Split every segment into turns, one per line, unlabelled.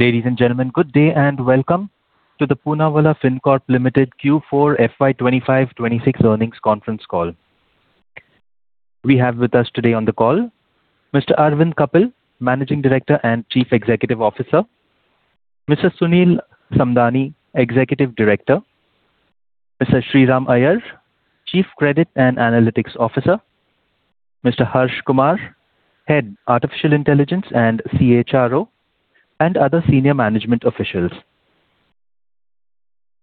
Ladies and gentlemen, good day and Welcome to the Poonawalla Fincorp Limited Q4 FY 2025-2026 Earnings Conference Call. We have with us today on the call Mr. Arvind Kapil, Managing Director and Chief Executive Officer; Mr. Sunil Samdani, Executive Director; Mr. Shriram Iyer, Chief Credit and Analytics Officer; Mr. Harsh Kumar, Head of Artificial Intelligence and CHRO; and other senior management officials.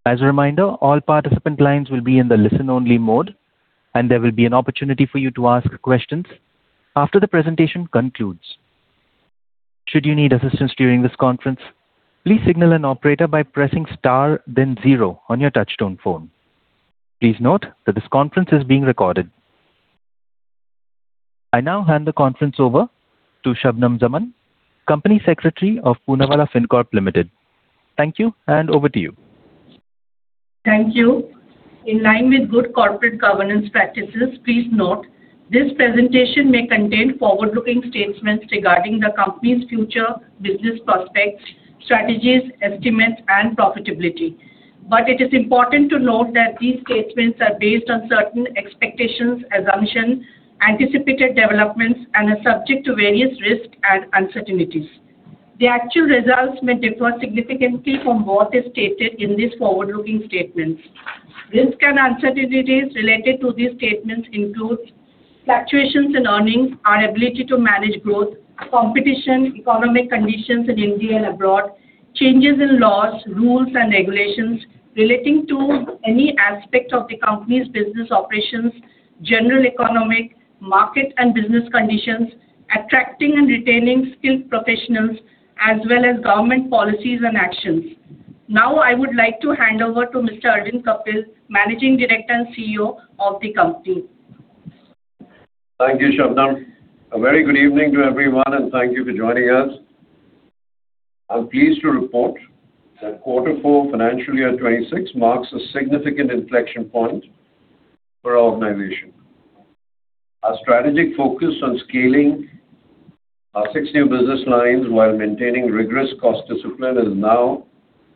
As a reminder, all participant lines will be in the listen-only mode, and there will be an opportunity for you to ask questions after the presentation concludes. Should you need assistance during this conference, please signal an operator by pressing star then zero on your touchtone phone. Please note that this conference is being recorded. I now hand the conference over to Shabnum Zaman, Company Secretary of Poonawalla Fincorp Limited. Thank you, and over to you.
Thank you. In line with good corporate governance practices, please note this presentation may contain forward-looking statements regarding the company's future business prospects, strategies, estimates, and profitability. It is important to note that these statements are based on certain expectations, assumptions, anticipated developments, and are subject to various risks and uncertainties. The actual results may differ significantly from what is stated in these forward-looking statements. Risks and uncertainties related to these statements include fluctuations in earnings, our ability to manage growth, competition, economic conditions in India and abroad, changes in laws, rules, and regulations relating to any aspect of the company's business operations, general economic, market and business conditions, attracting and retaining skilled professionals, as well as government policies and actions. Now I would like to hand over to Mr. Arvind Kapil, Managing Director and CEO of the company.
Thank you, Shabnum. A very good evening to everyone, and thank you for joining us. I'm pleased to report that quarter four FY 2026 marks a significant inflection point for our organization. Our strategic focus on scaling our six new business lines while maintaining rigorous cost discipline is now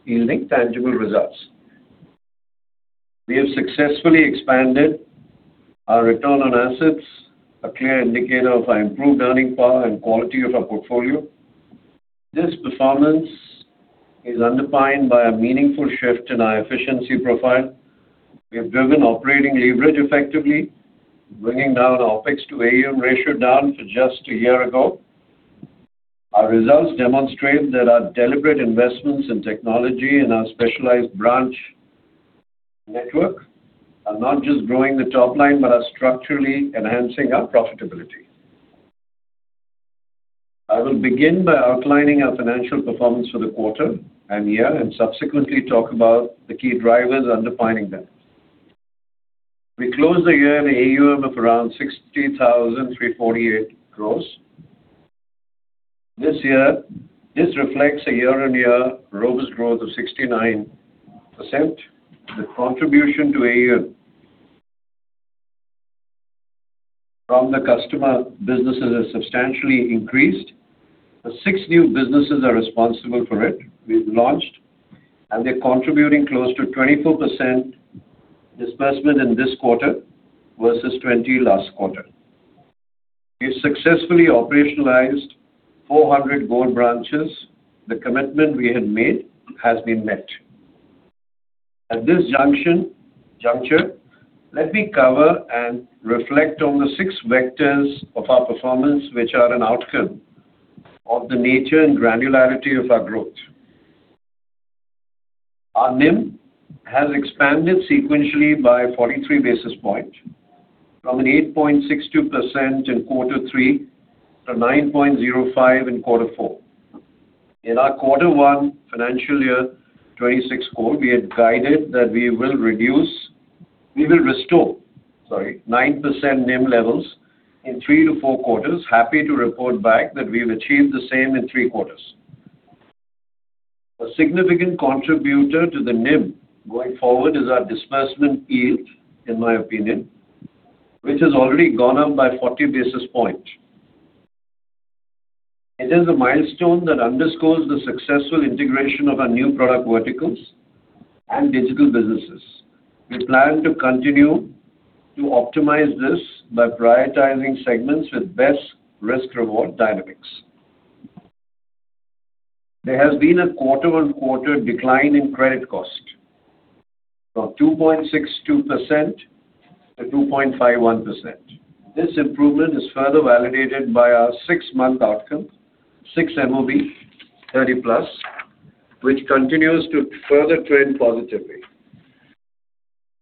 yielding tangible results. We have successfully expanded our return on assets, a clear indicator of our improved earning power and quality of our portfolio. This performance is underpinned by a meaningful shift in our efficiency profile. We have driven operating leverage effectively, bringing down our OpEx to AUM ratio down to just a year ago. Our results demonstrate that our deliberate investments in technology and our specialized branch network are not just growing the top line, but are structurally enhancing our profitability. I will begin by outlining our financial performance for the quarter and year, subsequently talk about the key drivers underpinning them. We closed the year at an AUM of around 60,348 crore. This year, this reflects a year-on-year robust growth of 69%. The contribution to AUM from the customer businesses has substantially increased. The six new businesses are responsible for it. We've launched, they're contributing close to 24% disbursement in this quarter versus 20 last quarter. We successfully operationalized 400 gold branches. The commitment we had made has been met. At this juncture, let me cover and reflect on the six vectors of our performance, which are an outcome of the nature and granularity of our growth. Our NIM has expanded sequentially by 43 basis points from an 8.62% in quarter three to 9.05% in quarter four. In our quarter one FY 2026 call, we had guided that we will restore, sorry, 9% NIM levels in three to four quarters. Happy to report back that we've achieved the same in three quarters. A significant contributor to the NIM going forward is our disbursement yield, in my opinion, which has already gone up by 40 basis points. It is a milestone that underscores the successful integration of our new product verticals and digital businesses. We plan to continue to optimize this by prioritizing segments with best risk-reward dynamics. There has been a quarter-on-quarter decline in credit cost from 2.62%-2.51%. This improvement is further validated by our six-month outcome, six MOB 30+, which continues to further trend positively.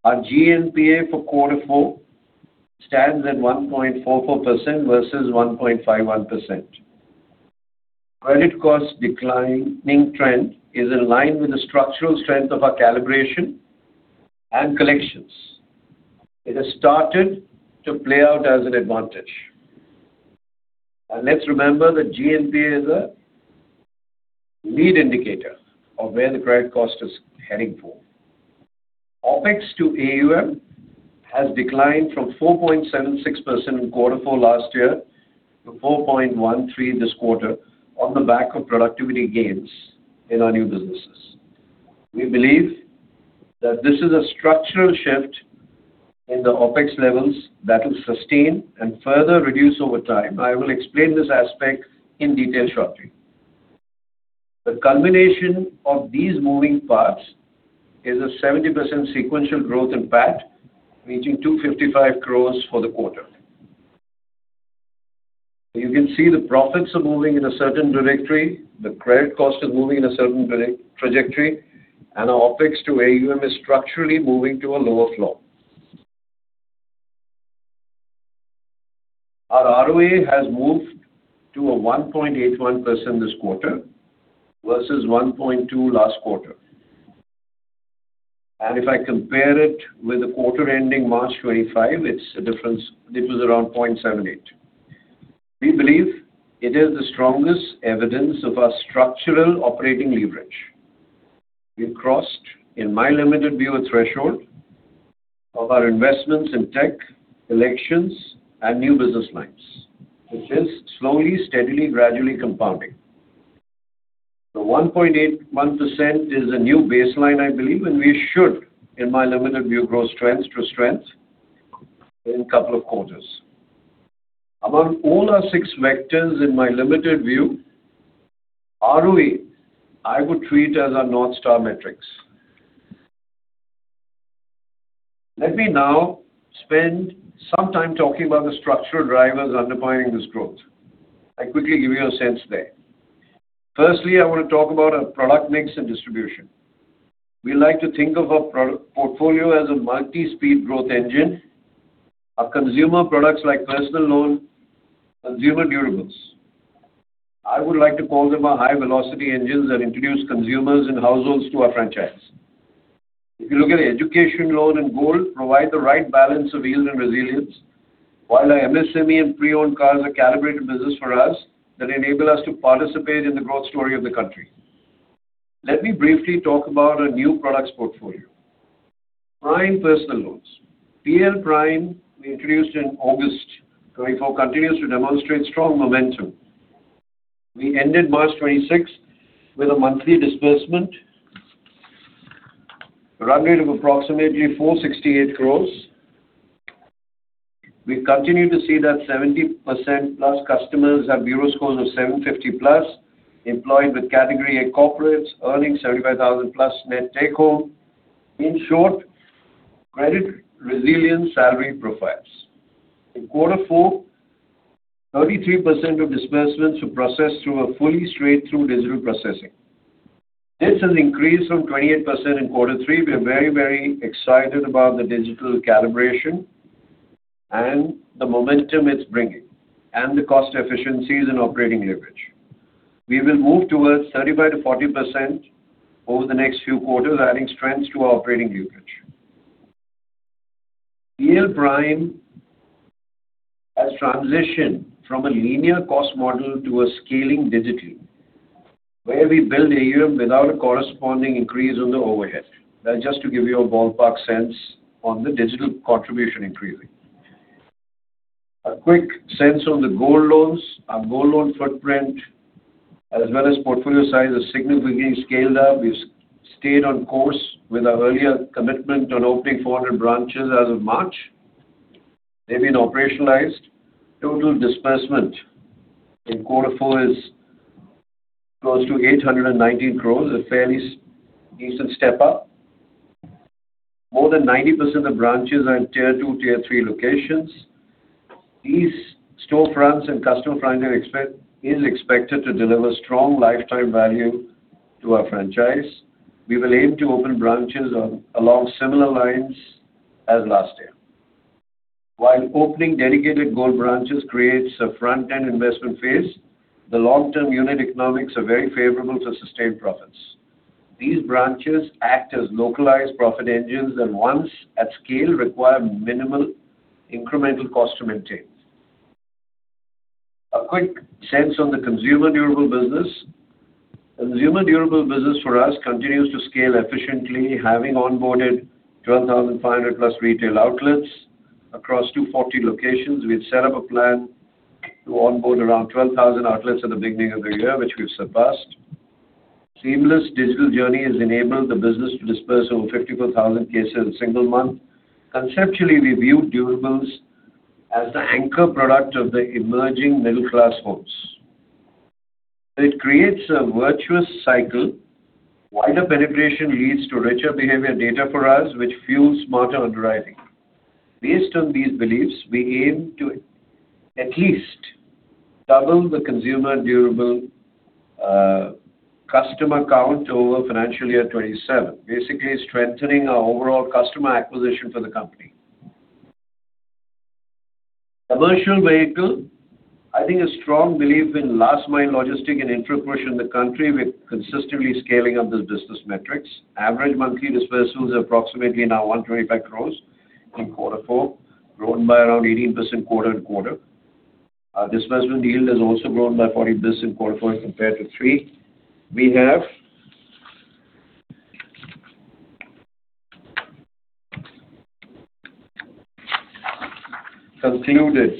Our GNPA for quarter four stands at 1.44% versus 1.51%. Credit cost declining trend is in line with the structural strength of our calibration and collections. It has started to play out as an advantage. Let's remember that GNPA is a lead indicator of where the credit cost is heading for. OpEx to AUM has declined from 4.76% in quarter four last year to 4.13% this quarter on the back of productivity gains in our new businesses. We believe that this is a structural shift in the OpEx levels that will sustain and further reduce over time. I will explain this aspect in detail shortly. The combination of these moving parts is a 70% sequential growth in PAT, reaching 255 crore for the quarter. You can see the profits are moving in a certain trajectory, the credit cost is moving in a certain trajectory, and our OpEx to AUM is structurally moving to a lower floor. Our ROE has moved to a 1.81% this quarter versus 1.2% last quarter. If I compare it with the quarter ending March 2025, it was around 0.78%. We believe it is the strongest evidence of our structural operating leverage. We've crossed, in my limited view, a threshold of our investments in tech, collections and new business lines, which is slowly, steadily, gradually compounding. The 1.81% is a new baseline, I believe, and we should, in my limited view, grow strength to strength in a couple of quarters. Among all our six vectors, in my limited view, ROE I would treat as our North Star metrics. Let me now spend some time talking about the structural drivers underpinning this growth. I'll quickly give you a sense there. Firstly, I want to talk about our product mix and distribution. We like to think of our portfolio as a multi-speed growth engine. Our consumer products like Personal Loan, consumer durables, I would like to call them our high velocity engines that introduce consumers and households to our franchise. If you look at Education Loan and Gold Loan provide the right balance of yield and resilience, while our MSME and pre-owned cars are calibrated business for us that enable us to participate in the growth story of the country. Let me briefly talk about our new products portfolio. Prime Personal Loans. PL Prime we introduced in August 2024 continues to demonstrate strong momentum. We ended March 2026 with a monthly disbursement run rate of approximately 468 crore. We continue to see that 70%+ customers have bureau scores of 750+ employed with category A corporates earning 75,000+ net take-home. In short, credit resilience salary profiles. In quarter four, 33% of disbursements were processed through a fully straight-through digital processing. This has increased from 28% in quarter three. We are very excited about the digital calibration and the momentum it's bringing and the cost efficiencies and operating leverage. We will move towards 35%-40% over the next few quarters, adding strengths to our operating leverage. PL Prime has transitioned from a linear cost model to a scaling digitally, where we build AUM without a corresponding increase on the overhead. That's just to give you a ballpark sense on the digital contribution increasing. A quick sense on the Gold Loans. Our Gold Loan footprint as well as portfolio size has significantly scaled up. We've stayed on course with our earlier commitment on opening 400 branches as of March. They've been operationalized. Total disbursement in Q4 is close to 819 crore, a fairly decent step up. More than 90% of branches are in Tier two, Tier three locations. These storefronts and customer front end is expected to deliver strong lifetime value to our franchise. We will aim to open branches along similar lines as last year. While opening dedicated gold branches creates a front-end investment phase, the long-term unit economics are very favorable to sustain profits. These branches act as localized profit engines and once at scale require minimal incremental cost to maintain. A quick sense on the Consumer Durable business. Consumer Durable business for us continues to scale efficiently, having onboarded 12,500+ retail outlets across 240 locations. We've set up a plan to onboard around 12,000 outlets at the beginning of the year, which we've surpassed. Seamless digital journey has enabled the business to disperse over 54,000 cases in a single month. Conceptually, we view durables as the anchor product of the emerging middle-class homes. It creates a virtuous cycle. Wider penetration leads to richer behavior data for us, which fuels smarter underwriting. Based on these beliefs, we aim to at least double the Consumer Durable customer count over FY 2027, basically strengthening our overall customer acquisition for the company. Commercial Vehicle, I think a strong belief in last-mile logistic and intra-push in the country, we're consistently scaling up this business metrics. Average monthly disbursements are approximately now 125 crore in Q4, growing by around 18% quarter-on-quarter. Our disbursement yield has also grown by 40 basis points in Q4 compared to Q3. We have concluded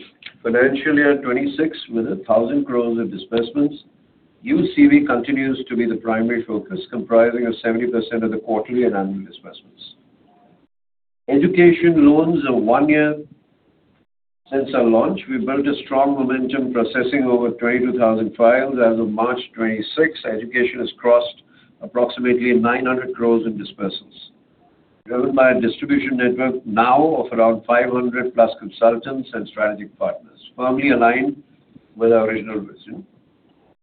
FY 2026 with 1,000 crore of disbursements. UCV continues to be the primary focus, comprising of 70% of the quarterly and annual disbursements. Education Loans are one year since our launch. We've built a strong momentum, processing over 22,000 files. As of March 26, education has crossed approximately 900 crore in disbursements, driven by a distribution network now of around 500+ consultants and strategic partners, firmly aligned with our original vision.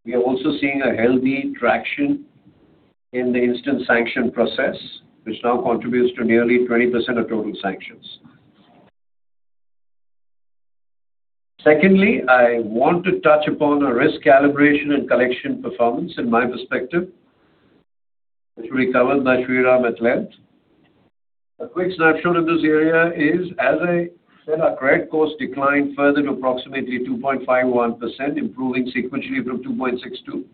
We are also seeing a healthy traction in the instant sanction process, which now contributes to nearly 20% of total sanctions. Secondly, I want to touch upon our risk calibration and collection performance in my perspective, which we covered by Shriram at length. A quick snapshot of this area is, as I said, our credit cost declined further to approximately 2.51%, improving sequentially from 2.62%.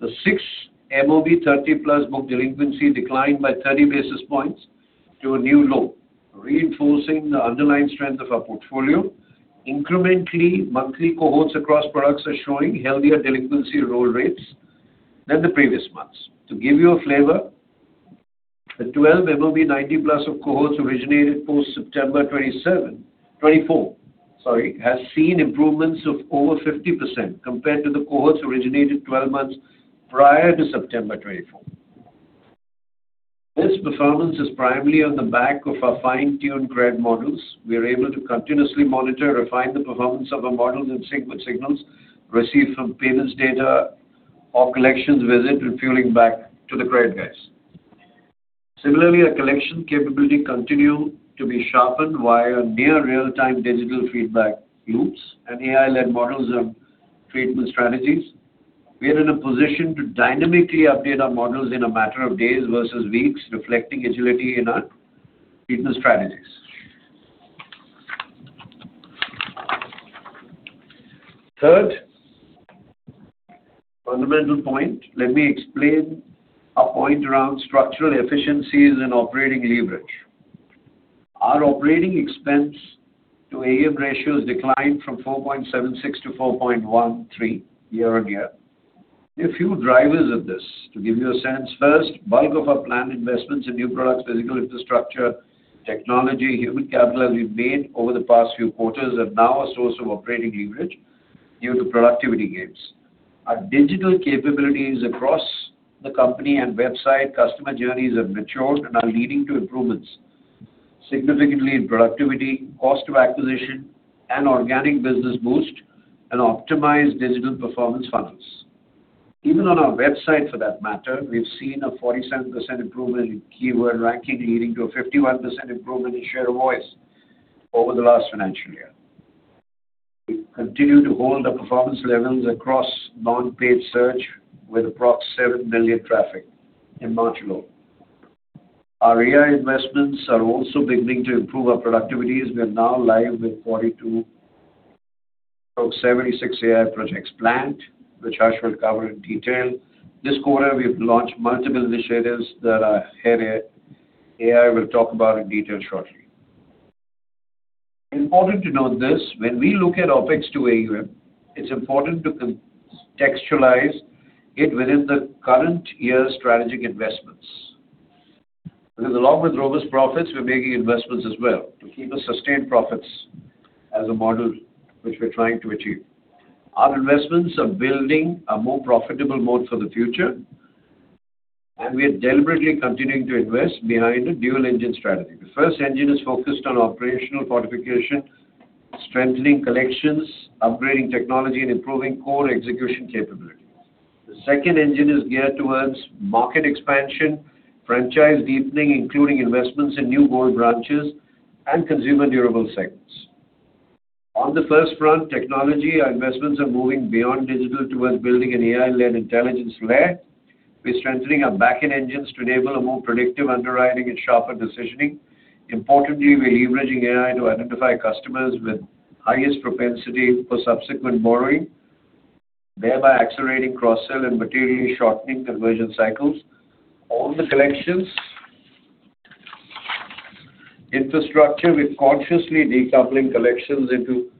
The six MOB 30+ book delinquency declined by 30 basis points to a new low, reinforcing the underlying strength of our portfolio. Incrementally, monthly cohorts across products are showing healthier delinquency roll rates than the previous months. To give you a flavor, the 12 MOB 90+ of cohorts originated post September 2024, has seen improvements of over 50% compared to the cohorts originated 12 months prior to September 2024. This performance is primarily on the back of our fine-tuned credit models. We are able to continuously monitor, refine the performance of our models and sync with signals received from payments data or collections visit and fueling back to the credit guys. Similarly, our collection capability continue to be sharpened via near real-time digital feedback loops and AI-led models of treatment strategies. We are in a position to dynamically update our models in a matter of days versus weeks, reflecting agility in our treatment strategies. Third fundamental point, let me explain our point around structural efficiencies and operating leverage. Our Operating Expenses to AUM ratios declined from 4.76%-4.13% year-on-year. A few drivers of this to give you a sense. First, bulk of our planned investments in new products, physical infrastructure, technology, human capital that we've made over the past few quarters are now a source of operating leverage due to productivity gains. Our digital capabilities across the company and website customer journeys have matured and are leading to improvements significantly in productivity, cost of acquisition and organic business boost and optimized digital performance funnels. Even on our website, for that matter, we've seen a 47% improvement in keyword ranking, leading to a 51% improvement in share of voice over the last financial year. We continue to hold the performance levels across non-paid search with approx 7 billion traffic in March alone. Our AI investments are also beginning to improve our productivities. We are now live with 42 of 76 AI projects planned, which Harsh will cover in detail. This quarter, we've launched multiple initiatives that our Head of AI will talk about in detail shortly. Important to note this, when we look at OpEx to AUM, it's important to contextualize it within the current year's strategic investments. Because along with robust profits, we're making investments as well to keep a sustained profits as a model which we're trying to achieve. Our investments are building a more profitable moat for the future, and we are deliberately continuing to invest behind a dual-engine strategy. The first engine is focused on operational fortification, strengthening collections, upgrading technology and improving core execution capabilities. The second engine is geared towards market expansion, franchise deepening, including investments in new gold branches and consumer durable segments. On the first front, technology, our investments are moving beyond digital towards building an AI-led intelligence layer. We are strengthening our back-end engines to enable a more predictive underwriting and sharper decisioning. Importantly, we are leveraging AI to identify customers with highest propensity for subsequent borrowing, thereby accelerating cross-sell and materially shortening conversion cycles. On the collections infrastructure, we are consciously decoupling collections into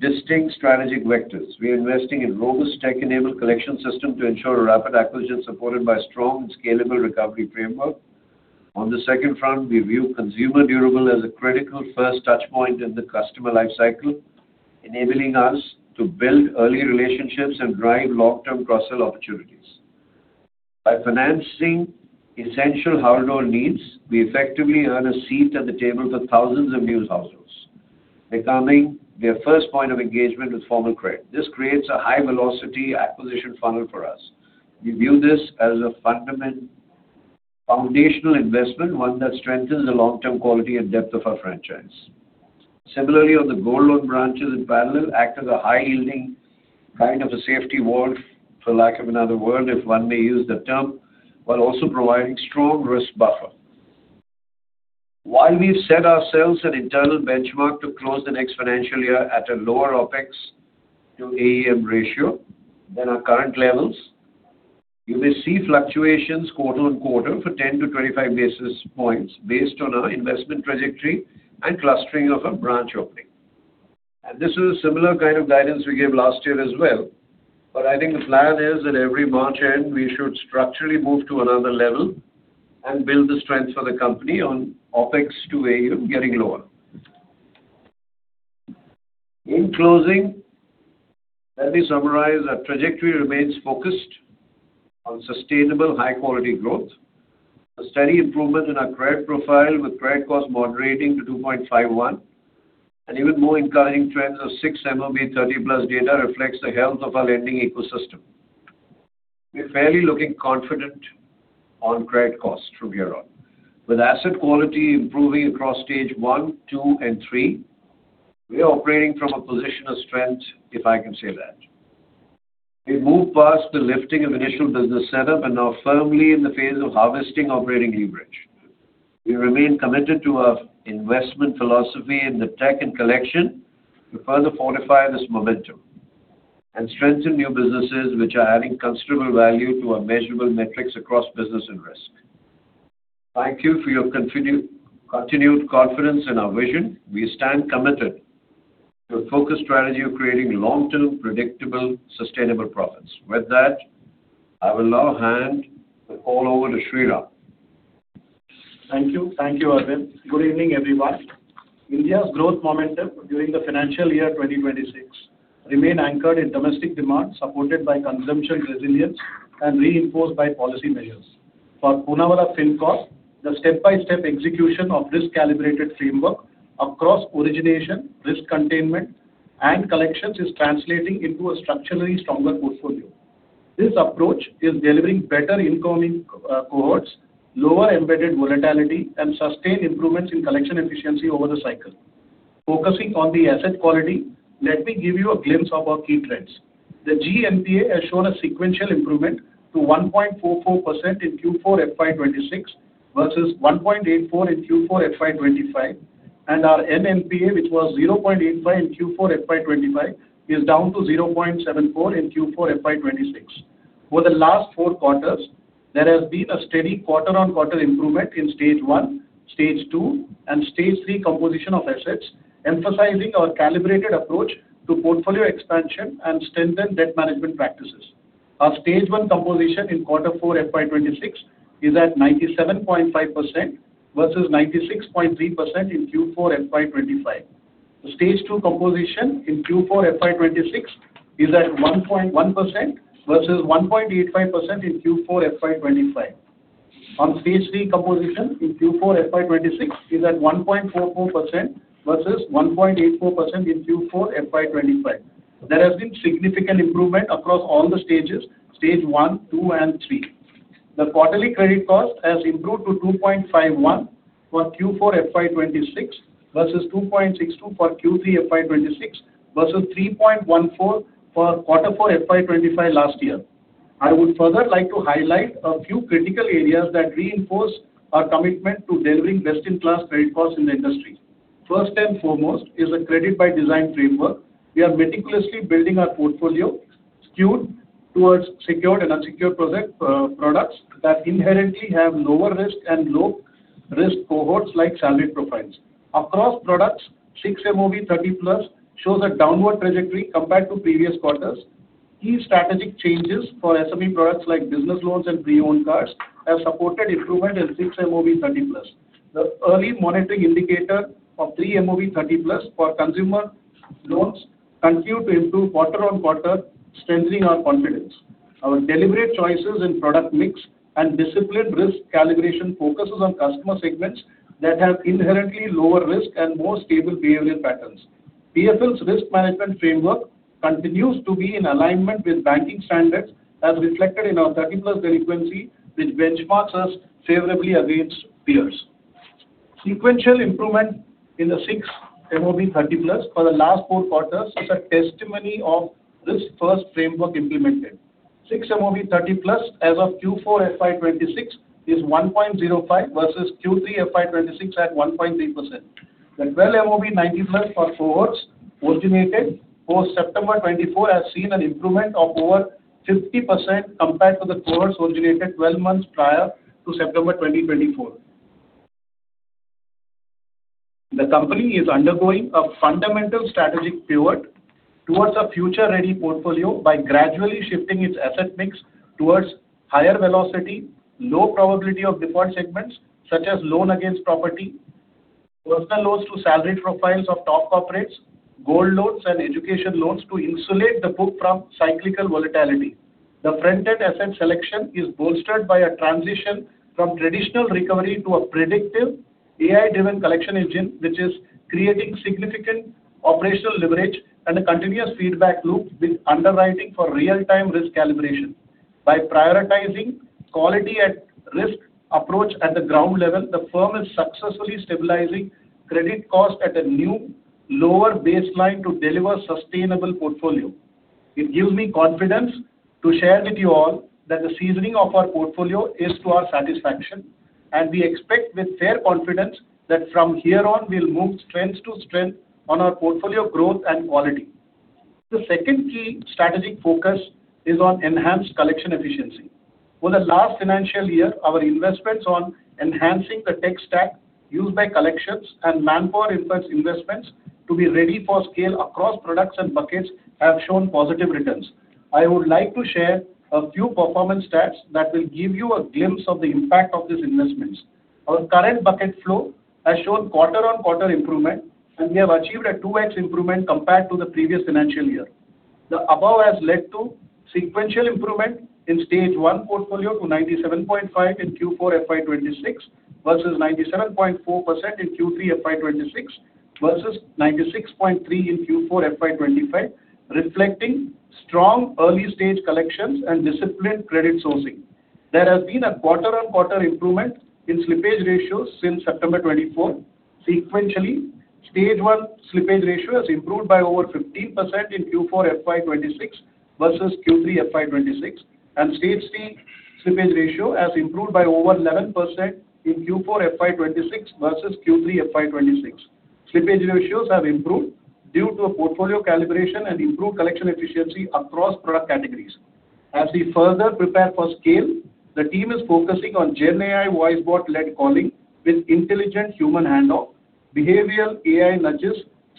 distinct strategic vectors. We are investing in robust tech-enabled collection system to ensure rapid acquisition supported by strong and scalable recovery framework. On the second front, we view Consumer Durable as a critical first touch point in the customer life cycle, enabling us to build early relationships and drive long-term cross-sell opportunities. By financing essential household needs, we effectively earn a seat at the table for thousands of new households, becoming their first point of engagement with formal credit. This creates a high-velocity acquisition funnel for us. We view this as a foundational investment, one that strengthens the long-term quality and depth of our franchise. Similarly, on the Gold Loan branches in parallel, act as a high-yielding kind of a safety wall, for lack of another word, if one may use the term, while also providing strong risk buffer. While we've set ourselves an internal benchmark to close the next financial year at a lower OpEx to AUM ratio than our current levels, you may see fluctuations quarter on quarter for 10-25 basis points based on our investment trajectory and clustering of our branch opening. This is a similar kind of guidance we gave last year as well. I think the plan is that every March end, we should structurally move to another level and build the strength for the company on OpEx to AUM getting lower. In closing, let me summarize. Our trajectory remains focused on sustainable high-quality growth. A steady improvement in our credit profile with credit cost moderating to 2.51% and even more encouraging trends of six MOB 30+ data reflects the health of our lending ecosystem. We're fairly looking confident on credit costs from here on. With asset quality improving across stage one, two, and three, we are operating from a position of strength, if I can say that. We've moved past the lifting of initial business setup and are firmly in the phase of harvesting operating leverage. We remain committed to our investment philosophy in the tech and collection to further fortify this momentum and strengthen new businesses which are adding considerable value to our measurable metrics across business and risk. Thank you for your continued confidence in our vision. We stand committed to a focused strategy of creating long-term, predictable, sustainable profits. With that, I will now hand the call over to Shriram.
Thank you. Thank you, Arvind. Good evening, everyone. India's growth momentum during the financial year 2026 remain anchored in domestic demand, supported by consumption resilience and reinforced by policy measures. For Poonawalla Fincorp, the step-by-step execution of this calibrated framework across origination, risk containment, and collections is translating into a structurally stronger portfolio. This approach is delivering better incoming cohorts, lower embedded volatility, and sustained improvements in collection efficiency over the cycle. Focusing on the asset quality, let me give you a glimpse of our key trends. The GNPA has shown a sequential improvement to 1.44% in Q4 FY 2026 versus 1.84% in Q4 FY 2025, and our NNPA, which was 0.85% in Q4 FY 2025, is down to 0.74% in Q4 FY 2026. Over the last four quarters, there has been a steady quarter-on-quarter improvement in stage one, stage two, and stage three composition of assets, emphasizing our calibrated approach to portfolio expansion and strengthened debt management practices. Our stage one composition in quarter four FY 2026 is at 97.5% versus 96.3% in Q4 FY 2025. The stage two composition in Q4 FY 2026 is at 1.1% versus 1.85% in Q4 FY 2025. Stage three composition in Q4 FY 2026 is at 1.44% versus 1.84% in Q4 FY 2025. There has been significant improvement across all the stages, stage one, two, and three. The quarterly credit cost has improved to 2.51% for Q4 FY 2026 versus 2.62% for Q3 FY 2026 versus 3.14% for quarter four FY 2025 last year. I would further like to highlight a few critical areas that reinforce our commitment to delivering best-in-class credit costs in the industry. First and foremost is a credit by design framework. We are meticulously building our portfolio skewed towards secured and unsecured products that inherently have lower risk and low risk cohorts like salary profiles. Across products, six MOB 30+ shows a downward trajectory compared to previous quarters. Key strategic changes for SME products like Business Loans and pre-owned cars have supported improvement in six MOB 30+. The early monitoring indicator of three MOB 30+ for consumer loans continue to improve quarter on quarter, strengthening our confidence. Our deliberate choices in product mix and disciplined risk calibration focuses on customer segments that have inherently lower risk and more stable behavior patterns. PFLs risk management framework continues to be in alignment with banking standards, as reflected in our 30+ delinquency, which benchmarks us favorably against peers. Sequential improvement in the six MOB 30+ for the last four quarters is a testimony of this first framework implemented. Six MOB 30+ as of Q4 FY 2026 is 1.05% versus Q3 FY 2026 at 1.3%. The 12 MOB 90+ for cohorts originated post-September 2024 has seen an improvement of over 50% compared to the cohorts originated 12 months prior to September 2024. The company is undergoing a fundamental strategic pivot towards a future-ready portfolio by gradually shifting its asset mix towards higher velocity, low probability of default segments such as Loan Against Property, Personal Loans to salaried profiles of top corporates, Gold Loans, and Education Loans to insulate the book from cyclical volatility. The front-end asset selection is bolstered by a transition from traditional recovery to a predictive AI-driven collection engine, which is creating significant operational leverage and a continuous feedback loop with underwriting for real-time risk calibration. By prioritizing quality at risk approach at the ground level, the firm is successfully stabilizing credit cost at a new lower baseline to deliver sustainable portfolio. It gives me confidence to share with you all that the seasoning of our portfolio is to our satisfaction, and we expect with fair confidence that from here on, we'll move strength to strength on our portfolio growth and quality. The second key strategic focus is on enhanced collection efficiency. Over the last financial year, our investments on enhancing the tech stack used by collections and manpower-infused investments to be ready for scale across products and buckets have shown positive returns. I would like to share a few performance stats that will give you a glimpse of the impact of these investments. Our current bucket flow has shown quarter-on-quarter improvement, and we have achieved a 2x improvement compared to the previous financial year. The above has led to sequential improvement in stage one portfolio to 97.5% in Q4 FY 2026 versus 97.4% in Q3 FY 2026 versus 96.3% in Q4 FY 2025, reflecting strong early stage collections and disciplined credit sourcing. There has been a quarter-on-quarter improvement in slippage ratios since September 24th. Sequentially, stage one slippage ratio has improved by over 15% in Q4 FY 2026 versus Q3 FY 2026, and stage C slippage ratio has improved by over 11% in Q4 FY 2026 versus Q3 FY 2026. Slippage ratios have improved due to a portfolio calibration and improved collection efficiency across product categories. As we further prepare for scale, the team is focusing on GenAI voice bot-led calling with intelligent human handoff, behavioral AI nudges,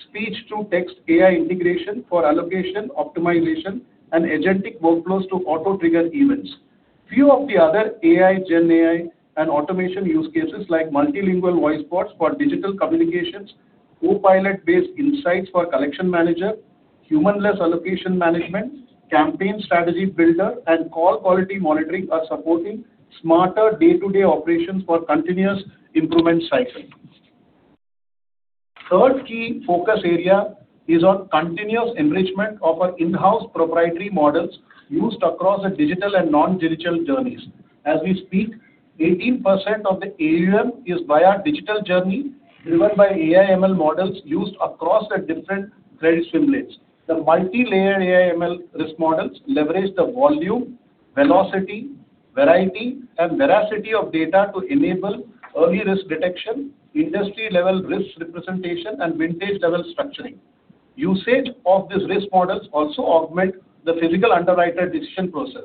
speech-to-text AI integration for allocation optimization, and agentic workflows to auto-trigger events. Few of the other AI, GenAI, and automation use cases like multilingual voice bots for digital communications, copilot-based insights for collection manager, human-less allocation management, campaign strategy builder, and call quality monitoring are supporting smarter day-to-day operations for continuous improvement cycle. Third key focus area is on continuous enrichment of our in-house proprietary models used across the digital and non-digital journeys. As we speak, 18% of the AUM is via digital journey driven by AI/ML models used across the different credit swim lanes. The multi-layered AI/ML risk models leverage the volume, velocity, variety, and veracity of data to enable early risk detection, industry-level risk representation, and vintage-level structuring. Usage of these risk models also augment the physical underwriter decision process.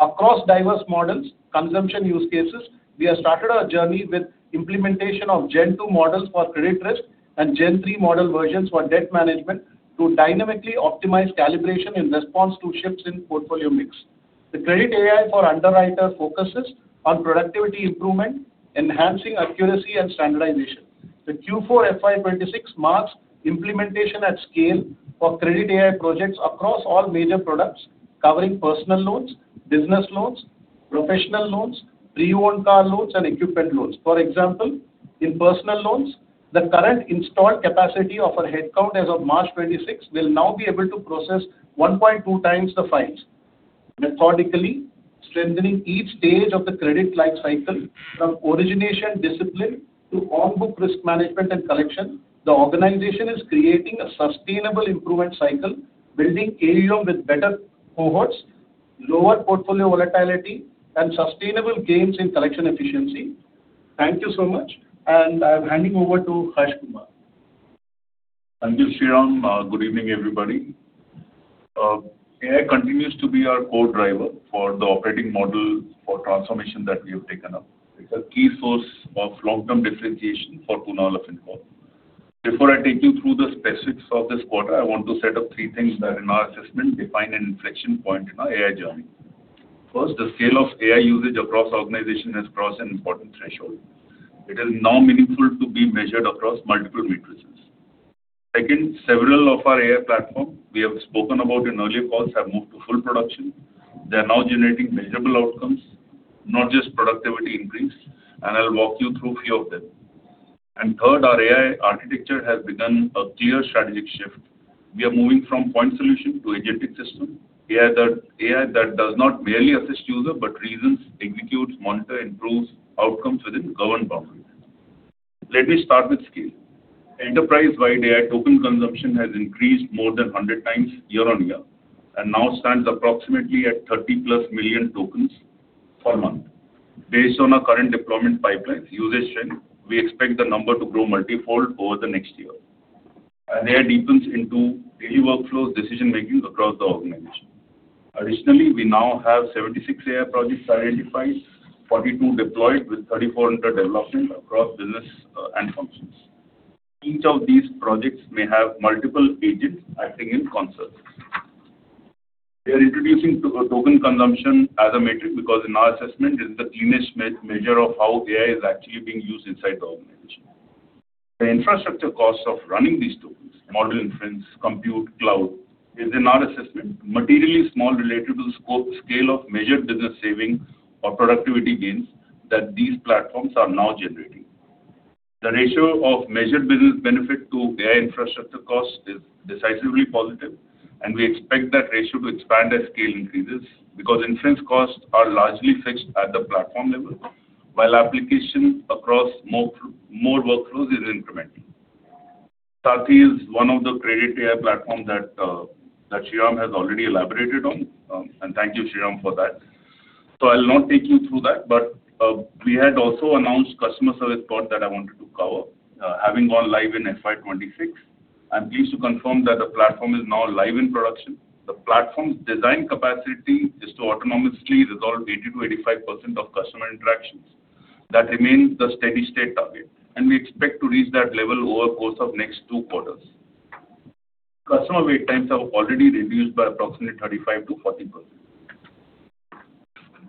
Across diverse models, consumption use cases, we have started our journey with implementation of Gen Two models for credit risk and Gen Three model versions for debt management to dynamically optimize calibration in response to shifts in portfolio mix. The Credit AI for underwriter focuses on productivity improvement, enhancing accuracy, and standardization. The Q4 FY 2026 marks implementation at scale of Credit AI projects across all major products, covering Personal Loans, Business Loans, Professional Loans, Pre-owned Car Loans, and Equipment Loans. For example, in Personal Loans, the current installed capacity of our headcount as of March 26 will now be able to process 1.2 times the files. Methodically strengthening each stage of the credit life cycle from origination discipline to on-book risk management and collection, the organization is creating a sustainable improvement cycle, building AUM with better cohorts, lower portfolio volatility, and sustainable gains in collection efficiency. Thank you so much, and I'm handing over to Harsh Kumar.
Thank you, Shriram. Good evening, everybody. AI continues to be our core driver for the operating model for transformation that we have taken up. It's a key source of long-term differentiation for Poonawalla Fincorp. Before I take you through the specifics of this quarter, I want to set up three things that in our assessment define an inflection point in our AI journey. First, the scale of AI usage across the organization has crossed an important threshold. It is now meaningful to be measured across multiple matrices. Second, several of our AI platform we have spoken about in earlier calls have moved to full production. They are now generating measurable outcomes, not just productivity increase, and I'll walk you through a few of them. Third, our AI architecture has begun a clear strategic shift. We are moving from point solution to agentic system, AI that does not merely assist user, but reasons, executes, monitor, improves outcomes within governed boundaries. Let me start with scale. Enterprise-wide AI token consumption has increased more than 100 times year-on-year and now stands approximately at 30+ million tokens per month. Based on our current deployment pipeline's usage trend, we expect the number to grow multifold over the next year. AI deepens into daily workflows decision-making across the organization. Additionally, we now have 76 AI projects identified, 42 deployed with 34 under development across business and functions. Each of these projects may have multiple agents acting in concert. We are introducing token consumption as a metric because in our assessment, this is the cleanest measure of how AI is actually being used inside the organization. The infrastructure costs of running these tokens, model inference, compute, cloud is in our assessment materially small relative to the scope scale of measured business savings or productivity gains that these platforms are now generating. The ratio of measured business benefit to AI infrastructure cost is decisively positive, and we expect that ratio to expand as scale increases because inference costs are largely fixed at the platform level, while application across more workflows is incremental. Saarthi is one of the Credit AI platform that Shriram has already elaborated on. Thank you, Shriram, for that. I'll not take you through that. We had also announced customer service bot that I wanted to cover. Having gone live in FY 2026, I'm pleased to confirm that the platform is now live in production. The platform's design capacity is to autonomously resolve 80%-85% of customer interactions. That remains the steady-state target, and we expect to reach that level over the course of next two quarters. Customer wait times have already reduced by approximately 35%-40%.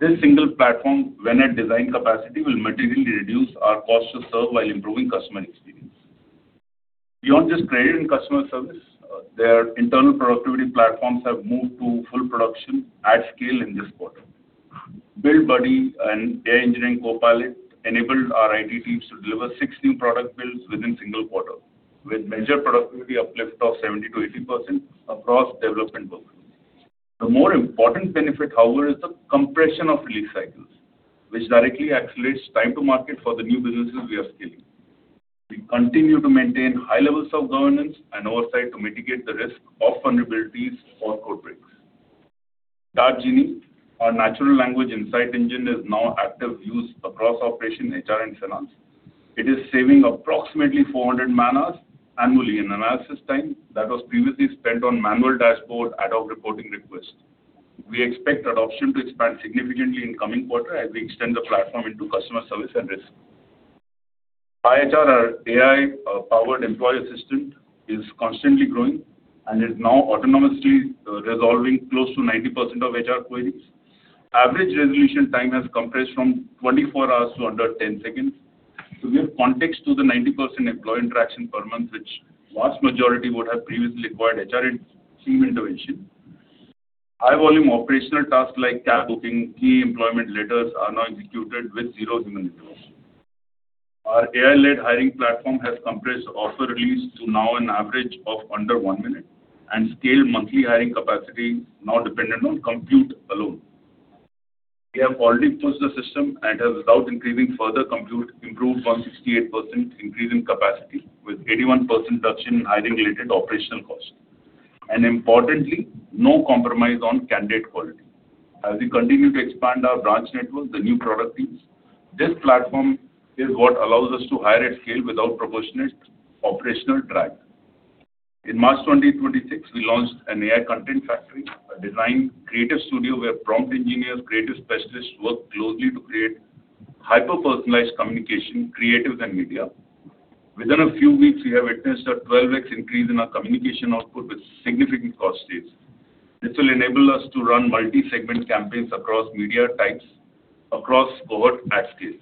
This single platform, when at design capacity, will materially reduce our cost to serve while improving customer experience. Beyond just credit and customer service, their internal productivity platforms have moved to full production at scale in this quarter. BuildBuddy and AI Engineering Copilot enabled our IT teams to deliver six new product builds within single quarter, with measured productivity uplift of 70%-80% across development workloads. The more important benefit, however, is the compression of release cycles, which directly accelerates time to market for the new businesses we are scaling. We continue to maintain high levels of governance and oversight to mitigate the risk of vulnerabilities or code breaks. DART Genie, our natural language insight engine, is now active use across operation HR and finance. It is saving approximately 400 man-hours annually in analysis time that was previously spent on manual dashboard, ad hoc reporting requests. We expect adoption to expand significantly in coming quarter as we extend the platform into customer service and risk. iHR, our AI-powered employee assistant, is constantly growing and is now autonomously resolving close to 90% of HR queries. Average resolution time has compressed from 24 hours to under 10 seconds. To give context to the 90% employee interaction per month, which vast majority would have previously required HR and team intervention. High volume operational tasks like cab booking, key employment letters are now executed with zero human intervention. Our AI-led hiring platform has compressed offer release to now an average of under one minute. Scale monthly hiring capacity now dependent on compute alone. We have already pushed the system and has, without increasing further compute, improved 168% increase in capacity with 81% reduction in hiring related operational costs. Importantly, no compromise on candidate quality. As we continue to expand our branch network, the new product teams, this platform is what allows us to hire at scale without proportionate operational drag. In March 2026, we launched an AI content factory, a design creative studio where prompt engineers, creative specialists work closely to create hyper-personalized communication, creative and media. Within a few weeks, we have witnessed a 12x increase in our communication output with significant cost saves. This will enable us to run multi-segment campaigns across media types across board at scale.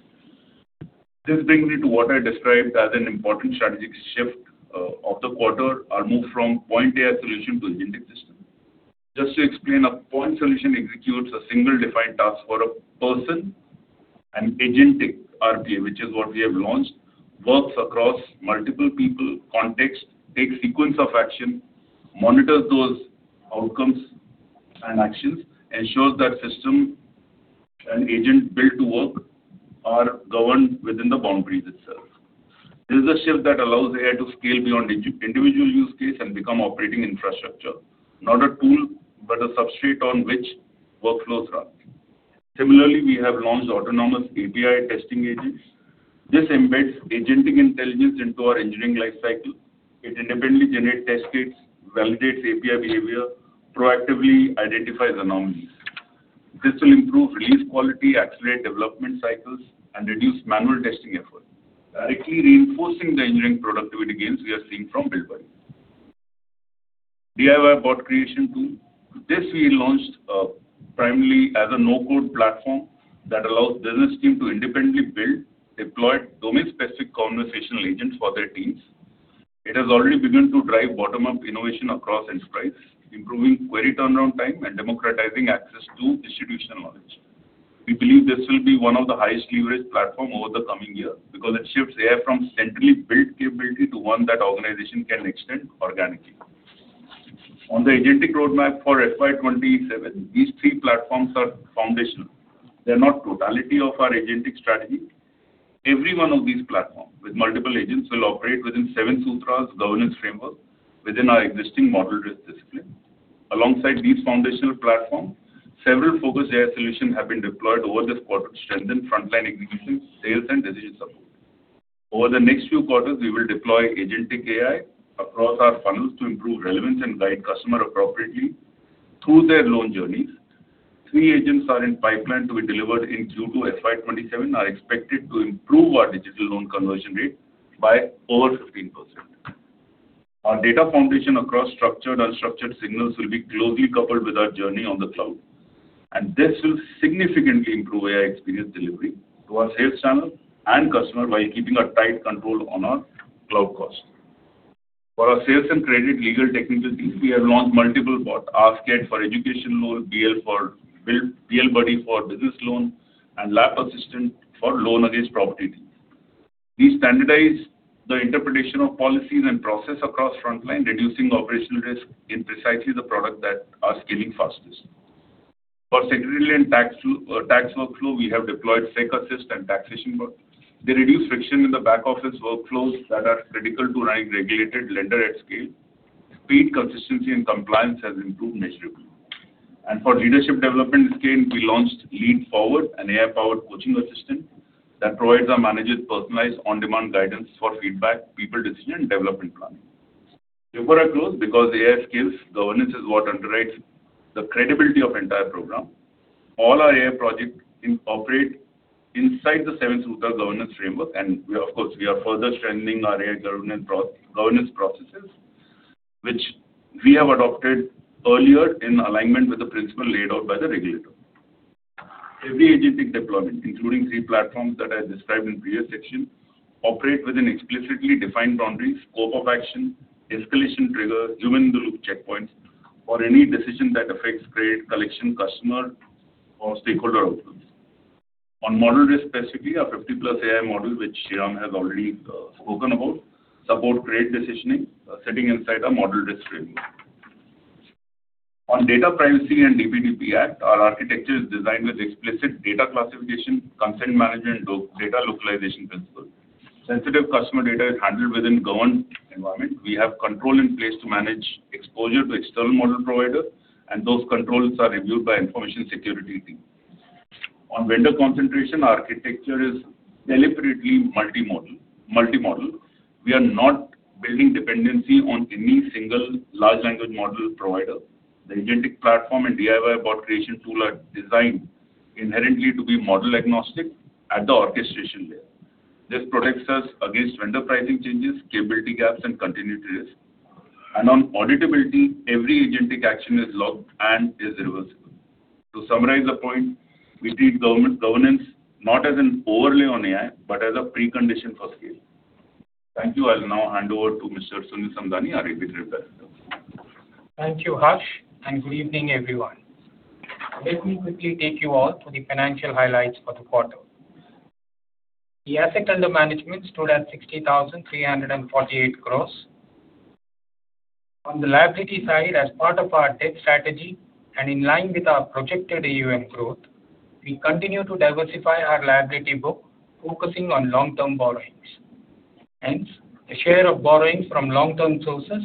This brings me to what I described as an important strategic shift of the quarter, our move from point AI solution to Agentic system. To explain, a point solution executes a single defined task for a person, and Agentic RPA, which is what we have launched, works across multiple people context, takes sequence of action, monitors those outcomes and actions, ensures that system and agent built to work are governed within the boundaries itself. This is a shift that allows AI to scale beyond individual use case and become operating infrastructure. Not a tool, but a substrate on which workflows run. We have launched autonomous API testing agents. This embeds Agentic intelligence into our engineering life cycle. It independently generates test cases, validates API behavior, proactively identifies anomalies. This will improve release quality, accelerate development cycles, and reduce manual testing effort, directly reinforcing the engineering productivity gains we are seeing from BuildBuddy. DIY Bot Creation Tool. This we launched, primarily as a no-code platform that allows business team to independently build, deploy domain-specific conversational agents for their teams. It has already begun to drive bottom-up innovation across enterprise, improving query turnaround time and democratizing access to distribution knowledge. We believe this will be one of the highest leverage platform over the coming year because it shifts AI from centrally built capability to one that organization can extend organically. On the agentic roadmap for FY 2027, these three platforms are foundational. They're not totality of our agentic strategy. Every one of these platforms with multiple agents will operate within Seven Sutras governance framework within our existing model risk discipline. Alongside these foundational platforms, several focused AI solutions have been deployed over this quarter to strengthen frontline execution, sales, and decision support. Over the next few quarters, we will deploy agentic AI across our funnels to improve relevance and guide customer appropriately through their loan journeys. three agents are in pipeline to be delivered in June to FY 2027, are expected to improve our digital loan conversion rate by over 15%. Our data foundation across structured, unstructured signals will be closely coupled with our journey on the cloud. This will significantly improve AI experience delivery to our sales channel and customer while keeping a tight control on our cloud costs. For our sales and credit legal technical teams, we have launched multiple bots, Ask-Ed for Education Loan, BL Buddy for Business Loan, and LAP Assistant for Loan Against Property teams. We standardize the interpretation of policies and process across frontline, reducing operational risk in precisely the product that are scaling fastest. For secretarial and tax workflow, we have deployed Sec Assist and taxation bot. They reduce friction in the back office workflows that are critical to running regulated lender at scale. Speed, consistency and compliance has improved measurably. For leadership development scale, we launched Lead Forward, an AI-powered coaching assistant that provides our managers personalized on-demand guidance for feedback, people decision, and development planning. Before I close, because the AI scales, governance is what underwrites the credibility of entire program. All our AI projects incorporate inside the Seven Sutras governance framework, we, of course, are further strengthening our AI governance processes, which we have adopted earlier in alignment with the principle laid out by the regulator. Every agentic deployment, including three platforms that I described in previous section, operate within explicitly defined boundaries, scope of action, escalation triggers, human-in-the-loop checkpoints for any decision that affects credit, collection, customer or stakeholder outcomes. On model risk specifically, our 50+ AI model, which Shriram has already spoken about, support credit decisioning sitting inside our model risk framework. On data privacy and DPDP Act, our architecture is designed with explicit data classification, consent management, data localization principle. Sensitive customer data is handled within governed environment. We have control in place to manage exposure to external model provider, those controls are reviewed by information security team. On vendor concentration, our architecture is deliberately multi-model. We are not building dependency on any single large language model provider. The agentic platform and DIY Bot Creation Tool are designed inherently to be model agnostic at the orchestration layer. This protects us against vendor pricing changes, capability gaps, and continuity risk. On auditability, every agentic action is logged and is reversible. To summarize the point, we treat government governance not as an overlay on AI, but as a precondition for scale. Thank you. I'll now hand over to Mr. Sunil Samdani, our ED representative.
Thank you, Harsh, and good evening, everyone. Let me quickly take you all through the financial highlights for the quarter. The asset under management stood at 60,348 crore. On the liability side, as part of our debt strategy and in line with our projected AUM growth, we continue to diversify our liability book, focusing on long-term borrowings. Hence, the share of borrowings from long-term sources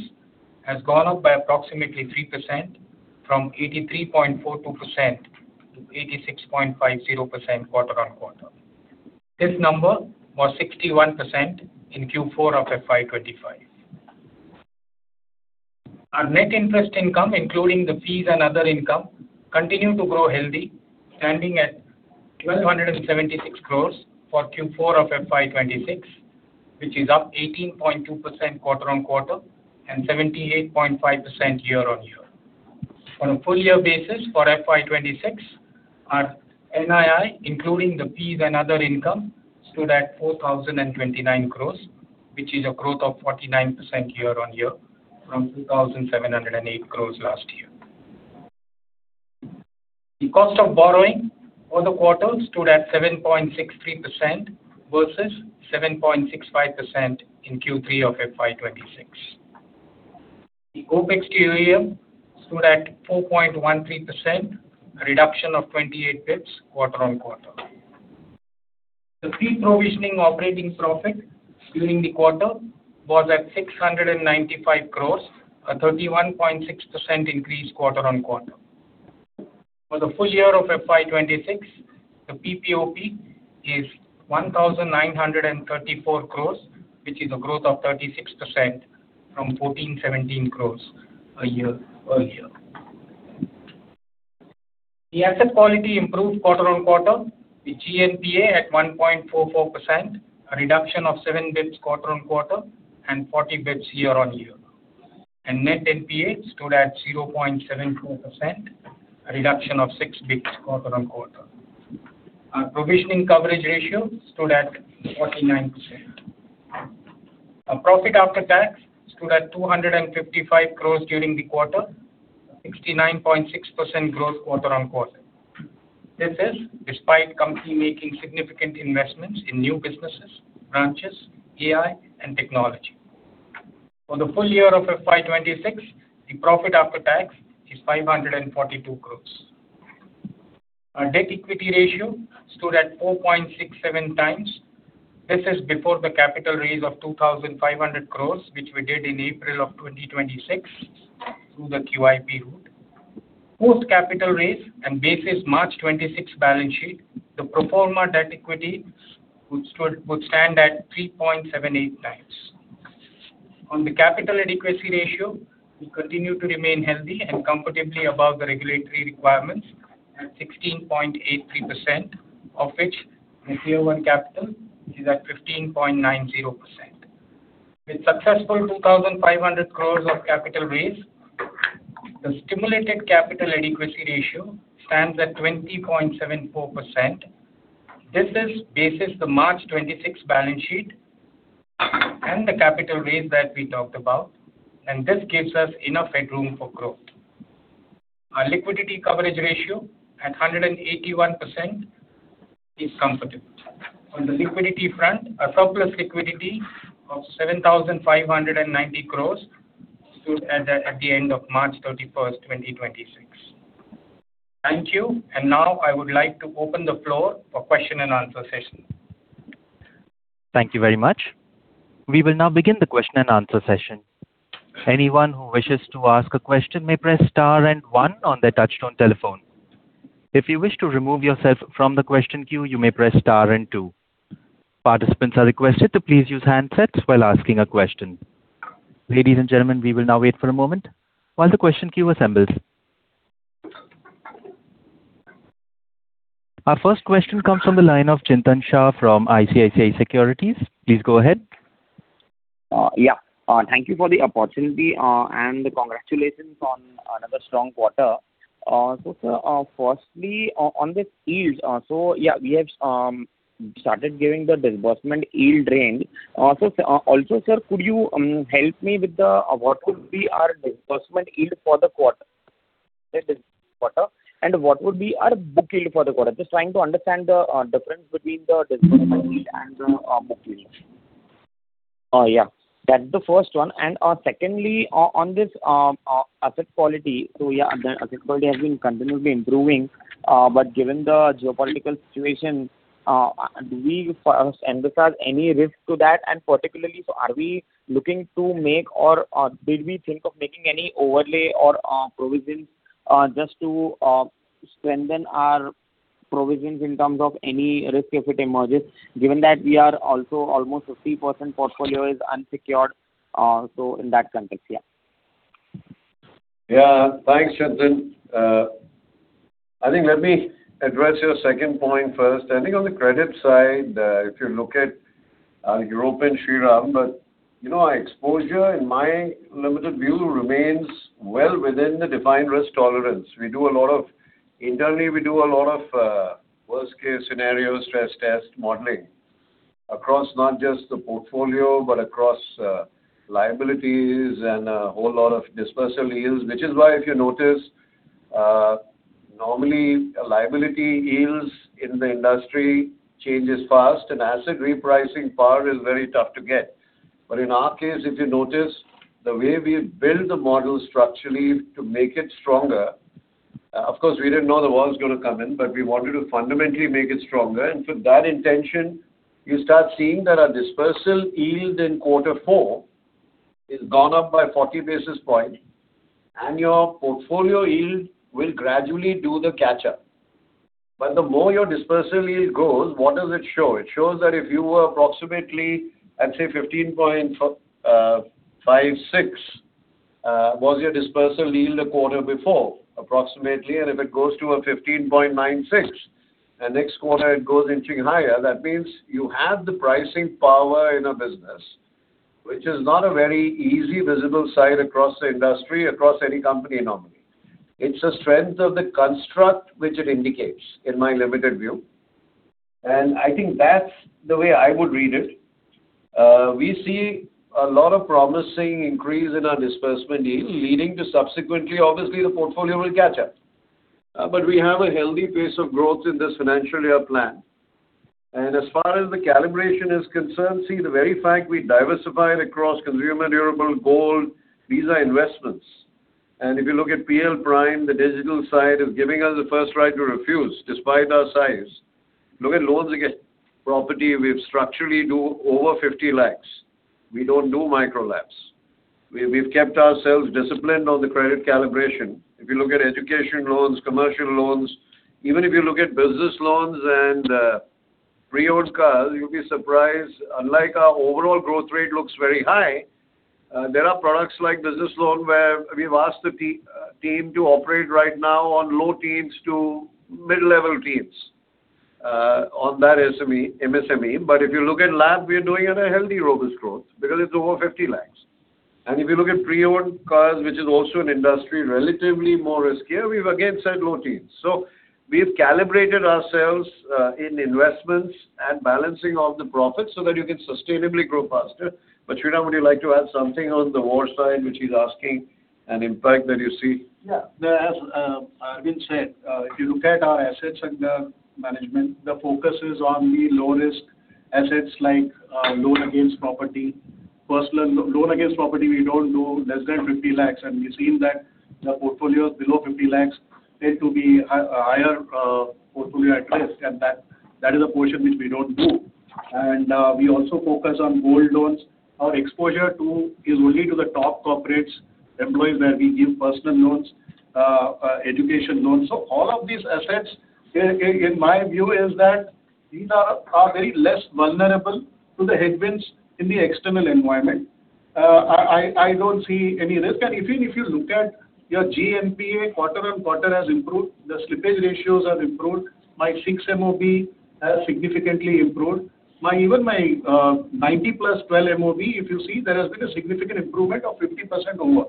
has gone up by approximately 3% from 83.42% to 86.50% quarter-on-quarter. This number was 61% in Q4 of FY 2025. Our net interest income, including the fees and other income, continue to grow healthy, standing at 1,276 crore for Q4 of FY 2026, which is up 18.2% quarter-on-quarter and 78.5% year-on-year. On a full year basis for FY 2026, our NII, including the fees and other income, stood at 4,029 crore, which is a growth of 49% year-on-year from 2,708 crore last year. The cost of borrowing for the quarter stood at 7.63% versus 7.65% in Q3 of FY 2026. The OpEx to AUM stood at 4.13%, a reduction of 28 basis points quarter-on-quarter. The pre-provisioning operating profit during the quarter was at 695 crore, a 31.6% increase quarter-on-quarter. For the full year of FY 2026, the PPOP is 1,934 crore, which is a growth of 36% from 1,417 crore a year. The asset quality improved quarter-over-quarter, with GNPA at 1.44%, a reduction of seven basis points quarter-over-quarter and 40 basis points year-over-year. NNPA stood at 0.72%, a reduction of six basis points quarter-over-quarter. Our provisioning coverage ratio stood at 49%. Our profit after tax stood at 255 crore during the quarter, a 69.6% growth quarter-over-quarter. This is despite company making significant investments in new businesses, branches, AI and technology. For the full year of FY 2026, the profit after tax is 542 crore. Our debt equity ratio stood at 4.67x. This is before the capital raise of 2,500 crore, which we did in April of 2026 through the QIP route. Post capital raise and basis March 26 balance sheet, the pro forma debt equity would stand at 3.78x. On the capital adequacy ratio, we continue to remain healthy and comfortably above the regulatory requirements at 16.83%, of which the Tier one capital is at 15.90%. With successful 2,500 crore of capital raise, the stimulated capital adequacy ratio stands at 20.74%. This is basis the March 26 balance sheet and the capital raise that we talked about, and this gives us enough headroom for growth. Our liquidity coverage ratio at 181% Is comfortable. On the liquidity front, our surplus liquidity of 7,590 crore stood at the end of March 31, 2026. Thank you. Now I would like to open the floor for question and answer session.
Thank you very much. We will now begin the question and answer session. Anyone who wishes to ask a question may press star and one on their touch-tone telephone. If you wish to remove yourself from the question queue, you may press star and two. Participants are requested to please use handsets while asking a question. Ladies and gentlemen, we will now wait for a moment while the question queue assembles. Our first question comes from the line of Chintan Shah from ICICI Securities. Please go ahead.
Yeah. Thank you for the opportunity, and congratulations on another strong quarter. Sir, firstly, on this yields. Yeah, we have started giving the disbursement yield range. Also, sir, could you help me with the, what could be our disbursement yield for the quarter? What would be our book yield for the quarter? Just trying to understand the difference between the disbursement yield and the book yield. Yeah, that's the first one. Secondly, on this, asset quality. Yeah, the asset quality has been continually improving. Given the geopolitical situation, do we first emphasize any risk to that? Particularly, are we looking to make or, did we think of making any overlay or provisions, just to strengthen our provisions in terms of any risk if it emerges, given that we are also almost 50% portfolio is unsecured, in that context, yeah.
Yeah. Thanks, Chintan. I think let me address your second point first. I think on the credit side, if you look at Bhaskar Pandey and Shriram Iyer, you know, our exposure, in my limited view, remains well within the defined risk tolerance. Internally, we do a lot of worst case scenario stress test modeling across not just the portfolio, but across liabilities and a whole lot of disbursal yields. Which is why if you notice, normally liability yields in the industry changes fast and asset repricing power is very tough to get. In our case, if you notice the way we build the model structurally to make it stronger, of course we didn't know the war was gonna come in, but we wanted to fundamentally make it stronger. For that intention, you start seeing that our disbursal yield in Q4 is gone up by 40 basis points and your portfolio yield will gradually do the catch up. The more your disbursal yield goes, what does it show? It shows that if you were approximately at say 15.56% was your disbursal yield a quarter before approximately, and if it goes to a 15.96% and next quarter it goes inching higher, that means you have the pricing power in a business, which is not a very easy visible side across the industry, across any company normally. It's a strength of the construct which it indicates, in my limited view. I think that's the way I would read it. We see a lot of promising increase in our disbursement yield leading to subsequently, obviously the portfolio will catch up. We have a healthy pace of growth in this financial year plan. As far as the calibration is concerned, see the very fact we diversified across Consumer Durable Gold. These are investments. If you look at PL Prime, the digital side is giving us the first right to refuse despite our size. Look at Loan Against Property. We structurally do over 50 lakh. We don't do micro-lakhs. We've kept ourselves disciplined on the credit calibration. If you look at Education Loans, commercial loans, even if you look at Business Loans and pre-owned cars, you'll be surprised, unlike our overall growth rate looks very high, there are products like Business Loan where we've asked the team to operate right now on low teens to mid-level teens on that SME, MSME. If you look at lakh, we are doing at a healthy, robust growth because it's over 50 lakh. If you look at pre-owned cars, which is also an industry relatively more riskier, we've again said low teens. We've calibrated ourselves in investments and balancing of the profits so that you can sustainably grow faster. Shriram, would you like to add something on the war side, which he's asking and impact that you see?
Yeah. As Arvind said, if you look at our asset sector management, the focus is on the low risk assets like Loan Against Property. First loan, Loan Against Property, we don't do less than 50 lakh. We've seen that the portfolios below 50 lakh tend to be higher portfolio at risk. That is a portion which we don't do. We also focus on Gold Loans. Our exposure to is only to the top corporates employees where we give Personal Loans, Education Loans. All of these assets in my view is that these are very less vulnerable to the headwinds in the external environment. I don't see any risk. Even if you look at your GNPA quarter-on-quarter has improved. The slippage ratios have improved. My six MOB has significantly improved. My even my 90+ 12 MOB, if you see there has been a significant improvement of 50% over.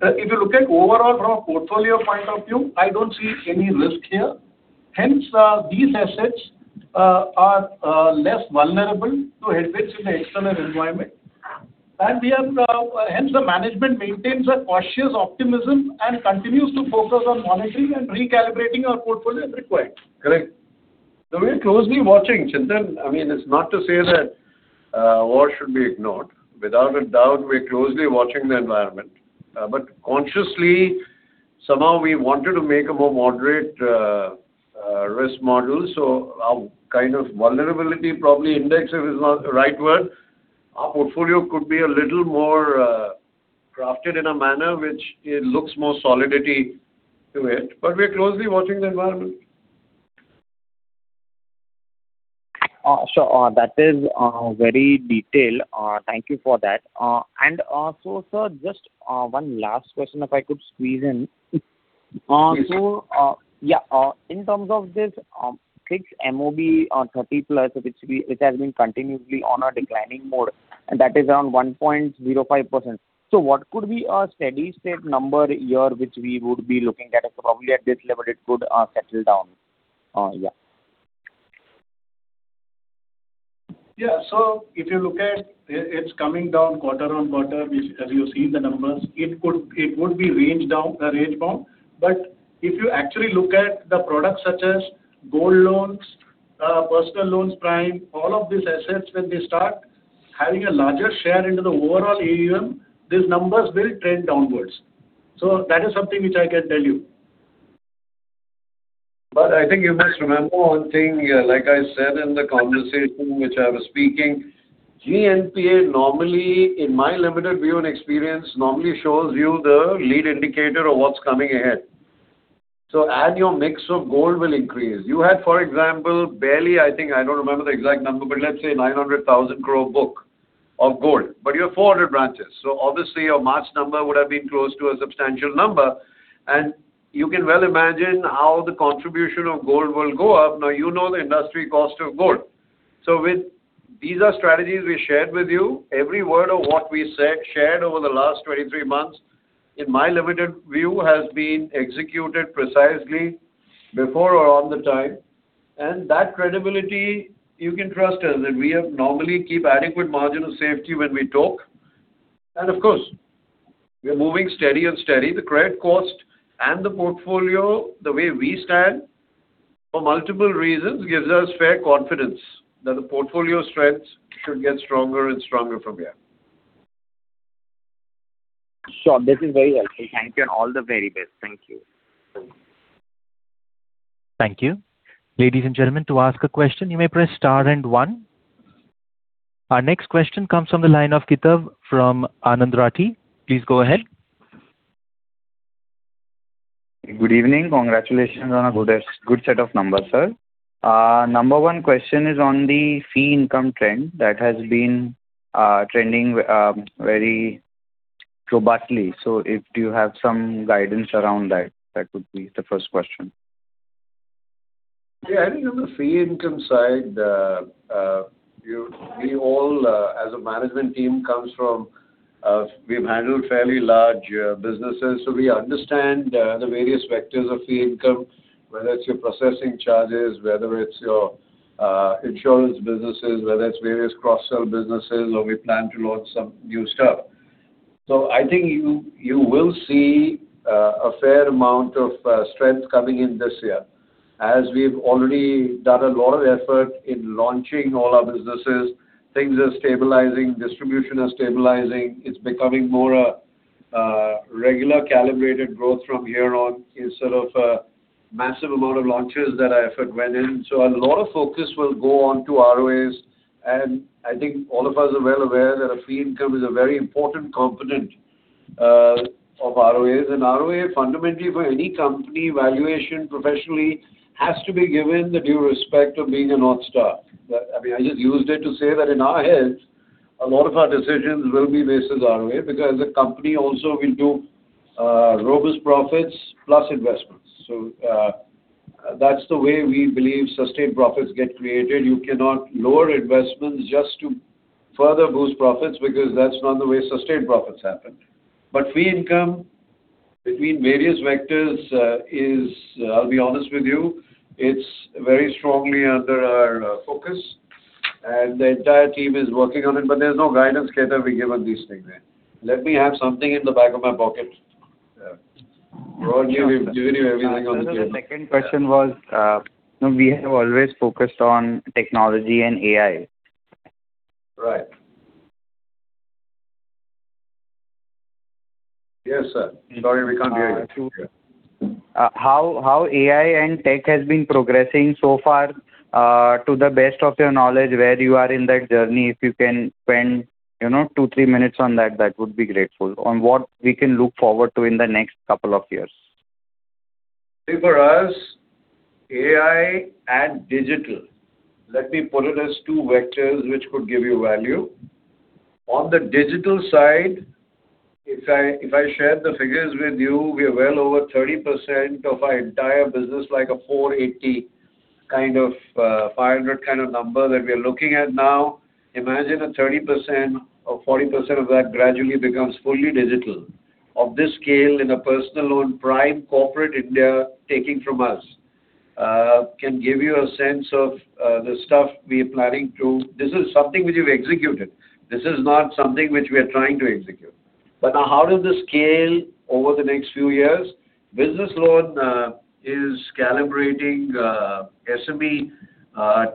If you look at overall from a portfolio point of view, I don't see any risk here. Hence, these assets, are, less vulnerable to headwinds in the external environment. We have, hence the management maintains a cautious optimism and continues to focus on monitoring and recalibrating our portfolio as required.
Correct. We're closely watching, Chintan. I mean, it's not to say that war should be ignored. Without a doubt, we're closely watching the environment. Consciously, somehow we wanted to make a more moderate risk model. Our kind of vulnerability, probably index is not the right word. Our portfolio could be a little more crafted in a manner which it looks more solidity to it, but we're closely watching the environment.
That is very detailed. Thank you for that. Sir, just one last question if I could squeeze in.
Yes.
In terms of this fixed MOB 30+, it has been continuously on a declining mode, and that is around 1.05%. What could be a steady state number year which we would be looking at? Probably at this level it could settle down.
Yeah. If you look at, it's coming down quarter-on-quarter, which as you've seen the numbers, it would be range bound. If you actually look at the products such as Gold Loans, Prime Personal Loans, all of these assets when they start having a larger share into the overall AUM, these numbers will trend downwards. That is something which I can tell you.
I think you must remember one thing here. Like I said in the conversation which I was speaking, GNPA normally, in my limited view and experience, normally shows you the lead indicator of what's coming ahead. As your mix of gold will increase, you had, for example, barely I think, I don't remember the exact number, but let's say 900,000 crore book of gold. You have 400 branches, so obviously your March number would have been close to a substantial number. You can well imagine how the contribution of gold will go up. Now, you know the industry cost of gold. With these are strategies we shared with you, every word of what we said, shared over the last 23 months, in my limited view, has been executed precisely before or on the time. That credibility, you can trust us that we have normally keep adequate margin of safety when we talk. Of course, we are moving steady and steady. The credit cost and the portfolio, the way we stand for multiple reasons, gives us fair confidence that the portfolio strengths should get stronger and stronger from here.
Sure. This is very helpful. Thank you and all the very best. Thank you.
Thank you. Ladies and gentlemen, to ask a question, you may press star and one. Our next question comes from the line of Kaitav from Anand Rathi. Please go ahead.
Good evening. Congratulations on a good set of numbers, sir. Number one question is on the fee income trend that has been trending very robustly. If you have some guidance around that would be the first question.
Yeah, I think on the fee income side, you, we all, as a management team comes from, we've handled fairly large businesses, so we understand the various vectors of fee income, whether it's your processing charges, whether it's your insurance businesses, whether it's various cross-sell businesses or we plan to launch some new stuff. I think you will see a fair amount of strength coming in this year. As we've already done a lot of effort in launching all our businesses, things are stabilizing, distribution are stabilizing. It's becoming more regular calibrated growth from here on instead of massive amount of launches that our effort went in. A lot of focus will go on to ROAs, and I think all of us are well aware that a fee income is a very important component of ROAs. ROA fundamentally for any company valuation professionally has to be given the due respect of being a North Star. I mean, I just used it to say that in our heads a lot of our decisions will be based on ROA because the company also will do robust profits plus investments. That's the way we believe sustained profits get created. You cannot lower investments just to further boost profits because that's not the way sustained profits happen. Fee income between various vectors, is, I'll be honest with you, it's very strongly under our focus and the entire team is working on it, but there's no guidance can ever be given these things. Let me have something in the back of my pocket, before giving you everything on the table.
Sir, the second question was, you know, we have always focused on technology and AI.
Right. Yes, sir. Sorry, we can't hear you.
How AI and tech has been progressing so far, to the best of your knowledge, where you are in that journey? If you can spend, you know, two, three minutes on that would be grateful. On what we can look forward to in the next couple of years.
See for us, AI and digital, let me put it as two vectors which could give you value. On the digital side, if I, if I shared the figures with you, we are well over 30% of our entire business, like a 480 kind of, 500 kind of number that we are looking at now. Imagine a 30% or 40% of that gradually becomes fully digital. Of this scale in a Personal Loan Prime Corporate India taking from us. Can give you a sense of the stuff we're planning to. This is something which we've executed. This is not something which we are trying to execute. How does this scale over the next few years? Business Loan is calibrating MSME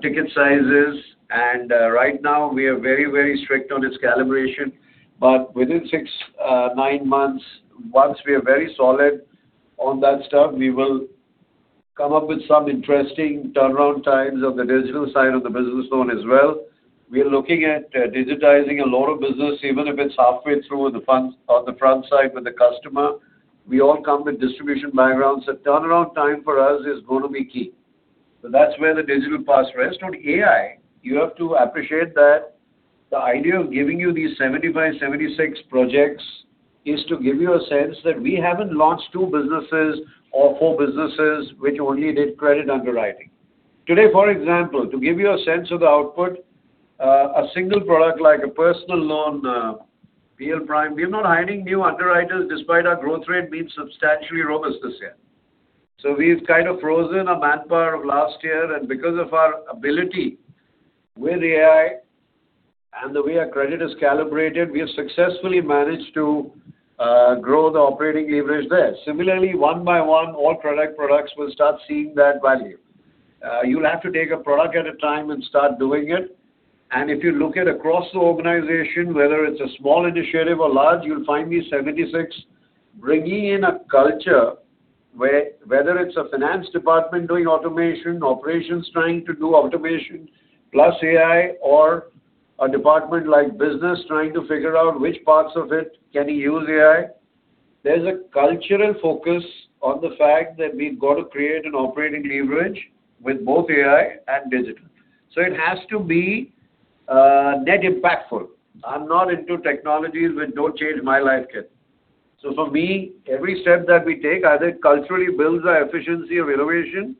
ticket sizes and right now we are very, very strict on its calibration. Within six, nine months, once we are very solid on that stuff, we will come up with some interesting turnaround times on the digital side of the Business Loan as well. We are looking at digitizing a lot of business, even if it's halfway through the front, on the front side with the customer. We all come with distribution backgrounds, turnaround time for us is gonna be key. That's where the digital pass rests. On AI, you have to appreciate that the idea of giving you these 75, 76 projects is to give you a sense that we haven't launched two businesses or four businesses which only did credit underwriting. Today, for example, to give you a sense of the output, a single product like a Personal Loan, PL Prime, we are not hiring new underwriters despite our growth rate being substantially robust this year. We've kind of frozen our manpower of last year and because of our ability with AI and the way our credit is calibrated, we have successfully managed to grow the operating leverage there. Similarly, one by one, all products will start seeing that value. You'll have to take a product at a time and start doing it. If you look at across the organization, whether it's a small initiative or large, you'll find these 76 bringing in a culture where whether it's a finance department doing automation, operations trying to do automation, plus AI or a department like business trying to figure out which parts of it can use AI. There's a cultural focus on the fact that we've got to create an operating leverage with both AI and digital. It has to be net impactful. I'm not into technologies which don't change my life yet. For me, every step that we take either culturally builds our efficiency or innovation,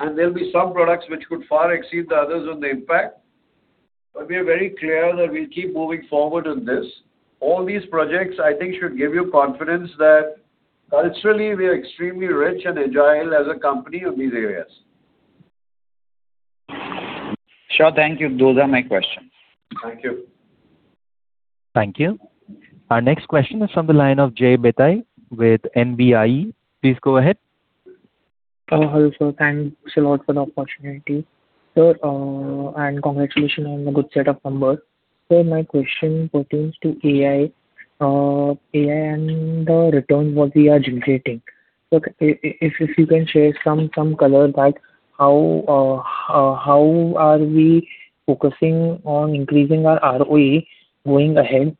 and there'll be some products which could far exceed the others on the impact. We are very clear that we'll keep moving forward on this. All these projects, I think, should give you confidence that culturally we are extremely rich and agile as a company in these areas.
Sure. Thank you. Those are my questions.
Thank you.
Thank you. Our next question is from the line of Jay Betai with NBIE. Please go ahead.
Hello sir. Thanks a lot for the opportunity. Sir, and congratulations on the good set of numbers. Sir, my question pertains to AI. AI and the returns what we are generating. If you can share some color like how are we focusing on increasing our ROE going ahead,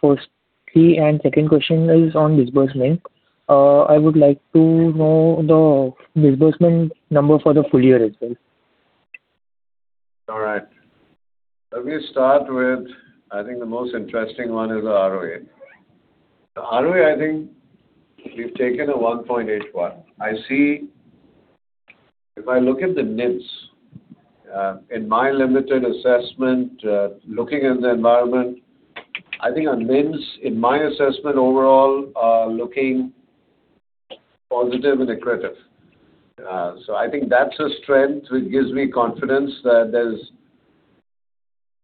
firstly. Second question is on disbursement. I would like to know the disbursement number for the full year as well.
All right. Let me start with, I think the most interesting one is the ROE. The ROE, I think we've taken a 1.81%. I see if I look at the NIMs, in my limited assessment, looking in the environment, I think our NIMs in my assessment overall are looking positive and accretive. I think that's a strength which gives me confidence that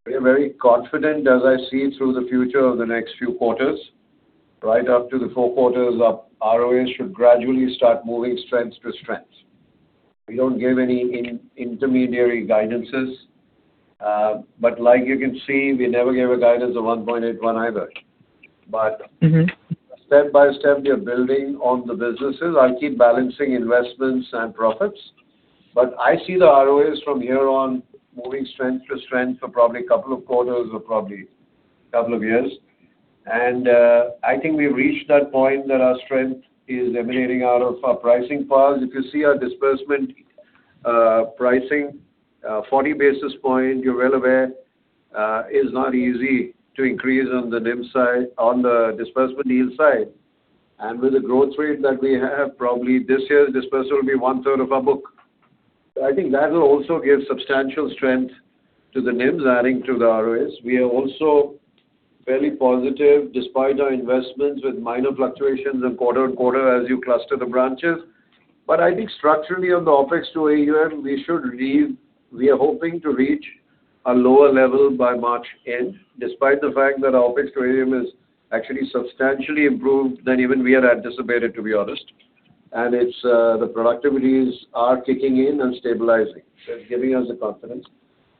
we are very confident as I see through the future of the next few quarters, right up to the four quarters of ROE should gradually start moving strength to strength. We don't give any in-intermediary guidances, like you can see, we never gave a guidance of 1.81% either. Step-by-step we are building on the businesses. I'll keep balancing investments and profits, but I see the ROEs from here on moving strength to strength for probably a couple of quarters or probably couple of years. I think we've reached that point that our strength is emanating out of our pricing powers. If you see our disbursement pricing, 40 basis points, you're well aware, is not easy to increase on the NIM side, on the disbursement NIM side. With the growth rate that we have, probably this year's disbursement will be one-third of our book. I think that will also give substantial strength to the NIMs adding to the ROEs. We are also fairly positive despite our investments with minor fluctuations in quarter-on-quarter as you cluster the branches. I think structurally on the OpEx to AUM, we should reach, we are hoping to reach a lower level by March end, despite the fact that our OpEx to AUM is actually substantially improved than even we had anticipated, to be honest. It's the productivities are kicking in and stabilizing. They're giving us the confidence.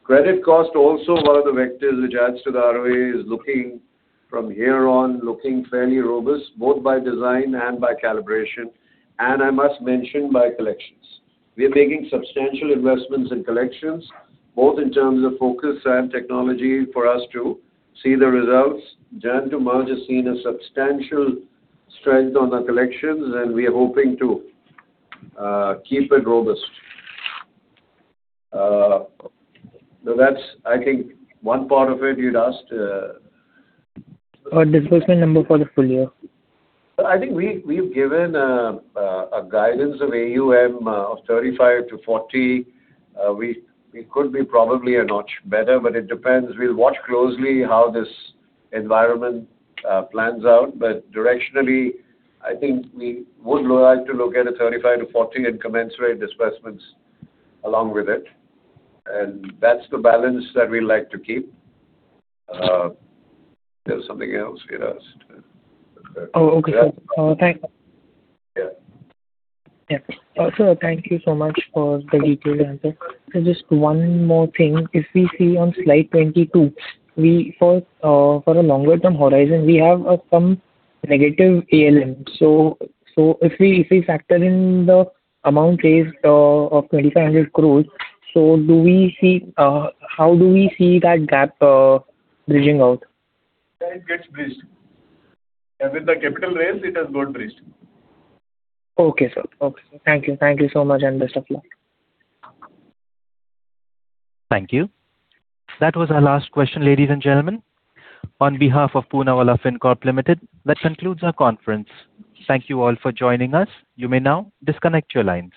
Credit cost also one of the vectors which adds to the ROE is looking from here on, looking fairly robust, both by design and by calibration, and I must mention by collections. We are making substantial investments in collections, both in terms of focus and technology for us to see the results. January to March has seen a substantial strength on the collections, we are hoping to keep it robust. That's I think one part of it you'd asked.
Disbursement number for the full year.
I think we've given a guidance of AUM of 35%-40%. We could be probably a notch better, but it depends. We'll watch closely how this environment plans out. Directionally, I think we would like to look at a 35%-40% and commensurate disbursements along with it. That's the balance that we like to keep. There was something else you'd asked.
Okay, sir. Thank you.
Yeah.
Yeah. Sir, thank you so much for the detailed answer. Just one more thing. If we see on slide 22, we for a longer term horizon, we have some negative ALM. If we factor in the amount raised of 2,500 crore, how do we see that gap bridging out?
It gets bridged. With the capital raise, it has got bridged.
Okay, sir. Okay. Thank you. Thank you so much and best of luck.
Thank you. That was our last question, ladies and gentlemen. On behalf of Poonawalla Fincorp Limited, that concludes our conference. Thank you all for joining us. You may now disconnect your line.